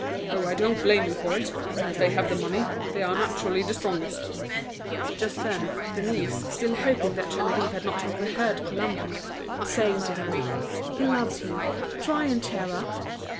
Oh, I don't blame you for it. As they have the money, they are naturally the strongest." Just then, Denise, still hoping that Geneviève had not overheard Colomban, was saying to her: "He loves you. Try and cheer up."